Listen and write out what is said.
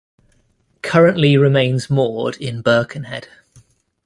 Currently remains moored in Birkenhead.